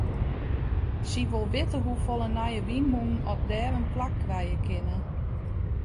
Sy wol witte hoefolle nije wynmûnen oft dêr in plak krije kinne.